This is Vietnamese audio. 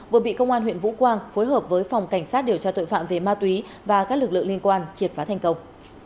vừa bị công an huyện vũ quang phối hợp với phòng cảnh sát điều tra tội phạm về ma túy và các lực lượng liên quan triệt phá thành công